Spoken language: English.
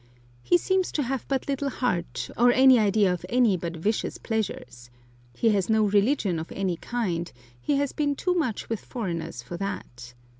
He seems to have but little heart, or any idea of any but vicious pleasures. He has no religion of any kind; he has been too much with foreigners for that.